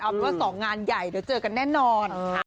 เอาเป็นว่า๒งานใหญ่เดี๋ยวเจอกันแน่นอน